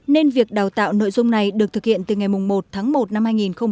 nên việc đào tạo nội dung này được thực hiện từ ngày một tháng một năm hai nghìn hai mươi